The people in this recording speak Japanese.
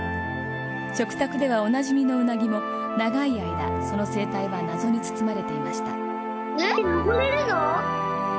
食卓ではおなじみのウナギも長い間その生態はなぞに包まれていました登れるの？